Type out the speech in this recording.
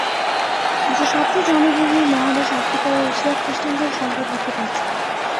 বিশ্বের সবচেয়ে জনবহুল মহাদেশ আফ্রিকা ও এশিয়ায় খ্রিস্টানদের সংখ্যা বৃদ্ধি পাচ্ছে।